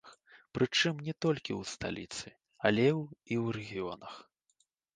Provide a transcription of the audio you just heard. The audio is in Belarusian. Прычым, не толькі ў сталіцы, але і ў рэгіёнах.